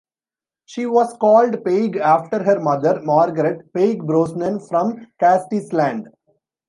She was called Peig after her mother, Margaret "Peig" Brosnan, from Castleisland.